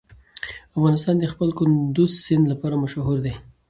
افغانستان د خپل کندز سیند لپاره مشهور دی.